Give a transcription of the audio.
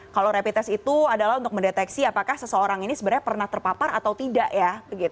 kalau rapid test itu adalah untuk mendeteksi apakah seseorang ini sebenarnya pernah terpapar atau tidak ya